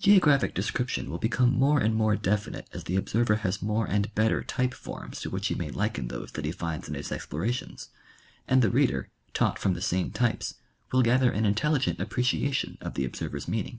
Geographic description will become more and more definite as the observer has more and better type forms to which he may liken those that he finds in his explorations, and the reader, taught from the same types, will gather an intelligent appreciation of the observer's meaning.